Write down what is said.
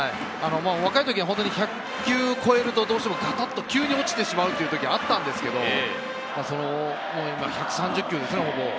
若い時は１００球を超えるとどうしてもパタっと落ちてしまう時があったんですけど、今１３０球ですね。